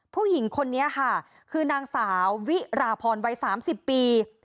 ผู้หญิงคนนี้ค่ะคือนางสาววิราพรวัย๓๐ปี